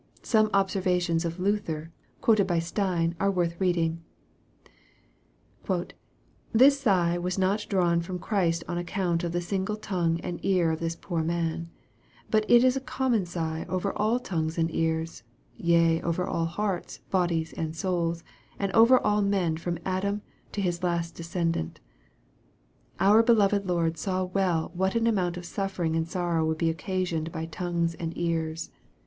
Some obser vations of Luther, quoted by Stier, are worth reading :" This sigh was not drawn from Christ on account of the single tongue and ear of this poor man ; but it is a common sigh over all tongues and ears, yea over all hearts, bodies, and souls, and over all men from Adam to his last descendant." " Our beloved Lord saw well what an amount of suffering and sorrow would be occasioned by tongues and ears.